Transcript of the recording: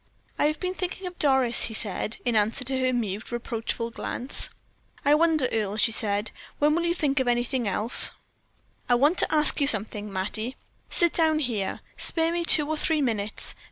"I have been thinking of Doris," he said, in answer to her mute, reproachful glance. "I wonder, Earle," she said, "when you will think of anything else?" "I want to ask you something, Mattie. Sit down here; spare me two or three minutes.